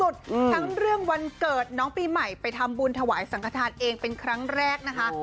ทั้งเรื่องวันเกิดน้องปีใหม่ไปทำบุญถวายสังขทานเองเป็นครั้งแรกนะคะ